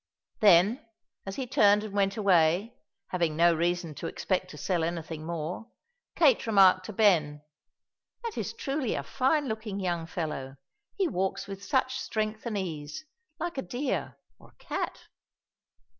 Then, as he turned and went away, having no reason to expect to sell anything more, Kate remarked to Ben: "That is truly a fine looking young fellow. He walks with such strength and ease, like a deer or a cat."